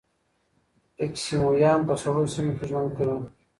اسکیمویان په سړو سیمو کې ژوند کوي.